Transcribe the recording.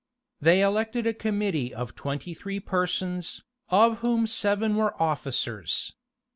They elected a committee of twenty three persons, of whom seven were officers.